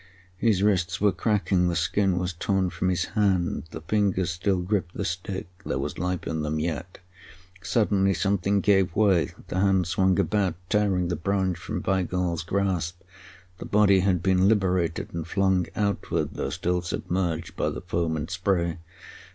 His wrists were cracking, the skin was torn from his hands. The fingers still gripped the stick. There was life in them yet. Suddenly something gave way. The hand swung about, tearing the branch from Weigall's grasp. The body had been liberated and flung outward, though still submerged by the foam and spray.